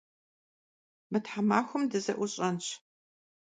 Mı themaxuem dıze'uş'enş.